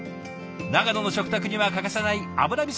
長野の食卓には欠かせない油みそ。